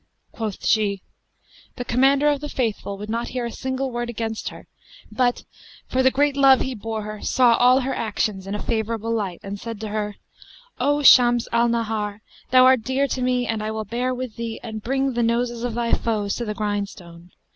Quoth she, 'The Commander of the Faithful would not hear a single word against her; but, for the great love he bore her, saw all her actions in a favourable light, and said to her, 'O Shams al Nahar, thou art dear to me and I will bear with thee and bring the noses of thy foes to the grindstone.